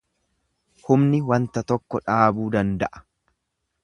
Humni wanta tokko dhaabuu danda’a.